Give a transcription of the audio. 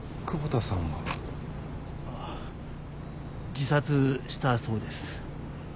自殺したそうです。